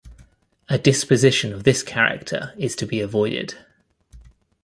A disposition of this character is to be avoided.